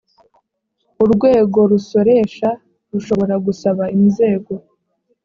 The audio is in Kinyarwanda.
urwego rusoresha rushobora gusaba inzego